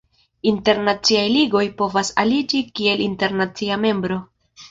Internaciaj ligoj povas aliĝi kiel internacia membro.